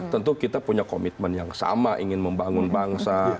tentu kita punya komitmen yang sama ingin membangun bangsa